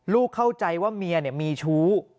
เข้าใจว่าเมียมีชู้